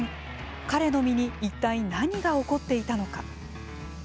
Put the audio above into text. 彼の身にいったい何が起こっていたのか。